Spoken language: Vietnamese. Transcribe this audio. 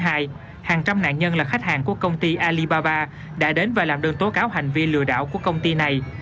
hàng trăm nạn nhân là khách hàng của công ty alibaba đã đến và làm đơn tố cáo hành vi lừa đảo của công ty này